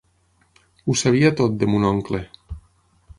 Ho sabia tot, de Mon oncle.